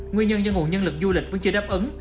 nguyên nhân do nguồn nhân lực du lịch vẫn chưa đáp ứng